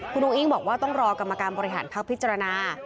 คุณอุ้งอิ๊งบอกว่าต้องรอกรรมการบริหารพักพิจารณา